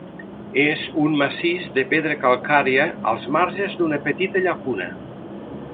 És un massís de pedra calcària als marges d'una petita llacuna.